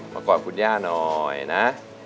กอดคุณย่าหน่อยนะ